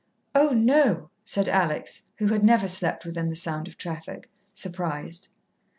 "Oh, no," said Alex who had never slept within the sound of traffic surprised.